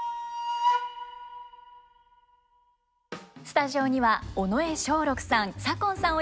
スタジオには尾上松緑さん左近さん